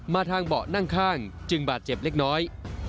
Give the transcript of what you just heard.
ทางเบาะนั่งข้างจึงบาดเจ็บเล็กน้อย